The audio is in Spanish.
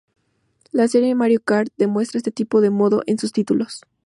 La serie "Mario Kart" demuestra este tipo de modo en sus títulos.